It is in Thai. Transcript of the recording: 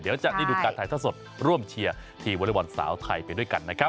เดี๋ยวจะได้ดูการถ่ายทอดสดร่วมเชียร์ทีมวอเล็กบอลสาวไทยไปด้วยกันนะครับ